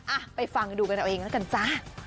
อ่ะไปฟังดูกันเอาเองแล้วกันจ้า